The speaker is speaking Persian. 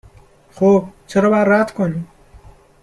خوب ، چرا باید رد کنی؟